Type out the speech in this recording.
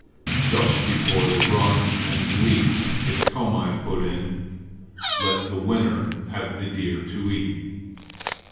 Just before the run and leap Iktomi put in: "Let the winner have the deer to eat!"